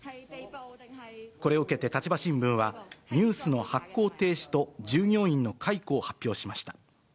これを受けて立場新聞は、ニュースの発行停止と従業員の解雇を発表しました。